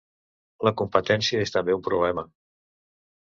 La competència és també un problema.